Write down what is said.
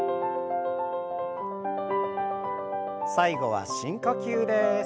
最後は深呼吸です。